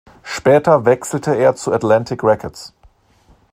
Später wechselte er zu Atlantic Records.